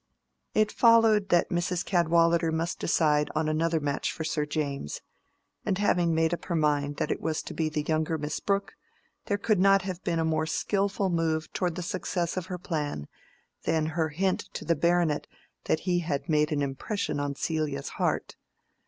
It followed that Mrs. Cadwallader must decide on another match for Sir James, and having made up her mind that it was to be the younger Miss Brooke, there could not have been a more skilful move towards the success of her plan than her hint to the baronet that he had made an impression on Celia's heart.